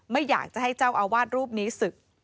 ไม่อยากจะให้เจ้าอาวาสรูปนี้ศึก